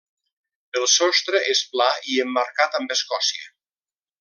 El sostre és pla i emmarcat amb escòcia.